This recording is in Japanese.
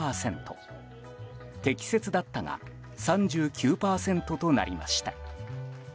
適切だったが３９％となりました。